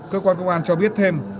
cơ quan công an cho biết thêm